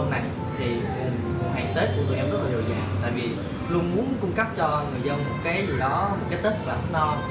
luôn muốn cung cấp cho người dân một cái gì đó một cái tết thật là thức no